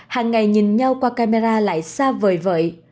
hàng ngày nhìn nhau qua camera lại xa vời vợi